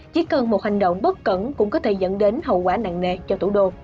chỉ cần một hành động bất cẩn cũng có thể dẫn đến hậu quả nặng nề cho thủ đô